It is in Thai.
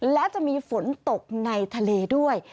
และจะมีฝนตกในทะเลด้วย